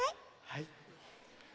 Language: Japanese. はい。